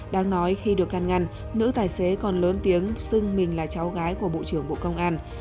đáng nói khi được can ngăn nữ tài xế còn lớn tiếng xưng mình là cháu gái của bộ trưởng bộ công an